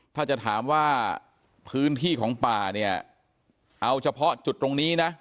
ถ้าจะถามว่าพื้นที่ของป่าเนี่ยเอาเฉพาะจุดตรงนี้นะ